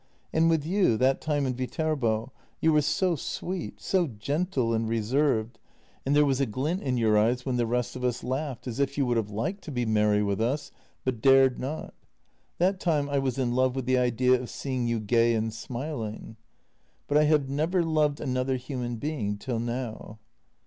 And with you that time in Viterbo — you were so sweet, so gentle and reserved, and there was a glint in your eyes when the JENNY 276 rest of us laughed as if you would have liked to be merry with us, but dared not. That time I was in love with the idea of seeing you gay and smiling. " But I have never loved another human being till now."